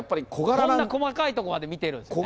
こんな細かいところまで見てるんですね。